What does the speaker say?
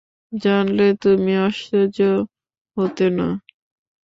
জানলে তুমি আশ্চর্য হতে না।